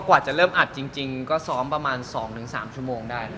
กว่าจะเริ่มอัดก็ส้อมแบบว่าสองหรือสามชั่วโมงได้นะครับ